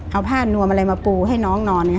เอาผ้านวมอะไรมาปูให้น้องนอน